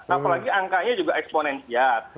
apalagi angkanya juga eksponensial